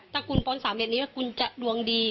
ถ้ากูป้นสามเป็นนี้กูจะดวงดี